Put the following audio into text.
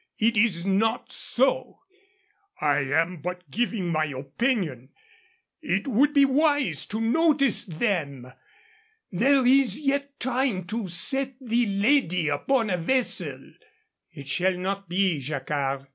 It is not so; I am but giving my opinion. It would be wise to notice them. There is yet time to set the lady upon a vessel." "It shall not be, Jacquard.